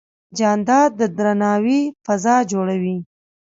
جانداد د درناوي فضا جوړوي.